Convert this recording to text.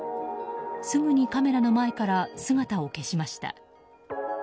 すぐにカメラの前から姿を消しました。